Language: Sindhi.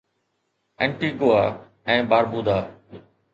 انٽيگوا ۽ باربودا